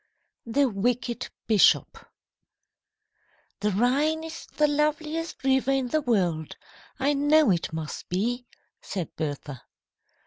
THE WICKED BISHOP "THE Rhine is the loveliest river in the world. I know it must be," said Bertha.